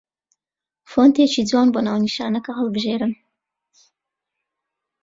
فۆنتێکی جوان بۆ ناونیشانەکە هەڵبژێن